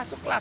kan gak aman